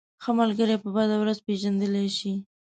ښه ملگری په بده ورځ پېژندلی شې.